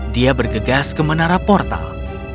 dia bergegas ke menara portal